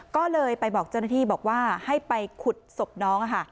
ก็เลยไปบอกเจ้าหน้าที่บอกว่าให้ไปขุดศพน้อง